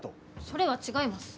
それは違います。